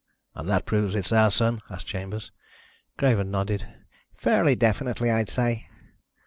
"And that proves it's our Sun?" asked Chambers. Craven nodded. "Fairly definitely, I'd say."